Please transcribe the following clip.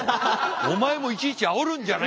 お前もいちいちあおるんじゃない。